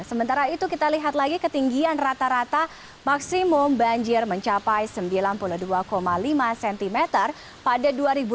sementara itu kita lihat lagi ketinggian rata rata maksimum banjir mencapai sembilan puluh dua lima cm pada dua ribu delapan belas